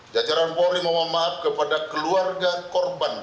jajaran mori memohon maaf kepada keluarga korban